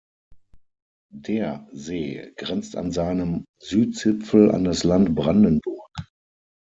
Der See grenzt an seinem Südzipfel an das Land Brandenburg.